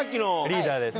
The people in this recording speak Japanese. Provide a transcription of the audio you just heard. リーダーです。